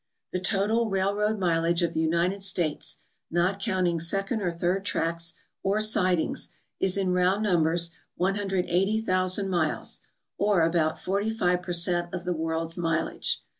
The total railroad mileage of the United States, not counting second or third tracks or sidings, is in round numbers 180,000 miles, or about 45 per cent of the world's mileage.